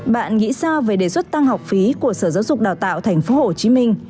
bạn nghĩ sao về đề xuất tăng học phí của sở giáo dục đào tạo tp hcm